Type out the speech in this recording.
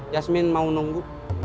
yasmin mau nunggu